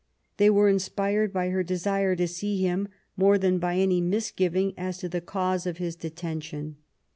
They were inspired by her desire to see him more than by any misgiving as to the cause of his detention.